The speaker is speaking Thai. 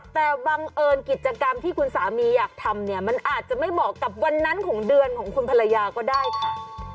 แต่บังเอิญกิจกรรมที่คุณสามีอยากทำเนี่ยมันอาจจะไม่เหมาะกับวันนั้นของเดือนของคุณภรรยาก็ได้ค่ะ